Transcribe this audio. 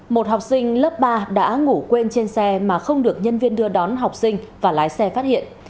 một học sinh lớp ba đã ngủ quên trên xe mà không được nhân viên đưa đón học sinh và lái xe phát hiện